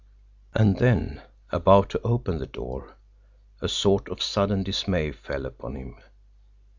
And then, about to open the door, a sort of sudden dismay fell upon him.